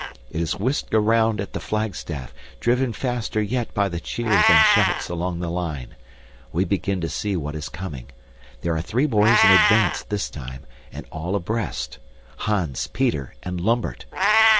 It is whisked around at the flagstaff, driven faster yet by the cheers and shouts along the line. We begin to see what is coming. There are three boys in advance this time, and all abreast. Hans, Peter, and Lambert.